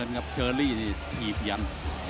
โอเคแสนทนง